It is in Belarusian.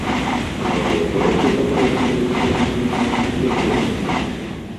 Вакол зоркі абарочваюцца, як мінімум, дзве планеты.